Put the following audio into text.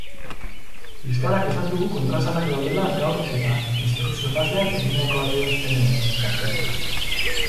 Fiskalak esan du kontraesanak daudela gaur eta instrukzio fasean egindako adierazpenen artean.